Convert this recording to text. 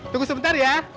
tunggu sebentar ya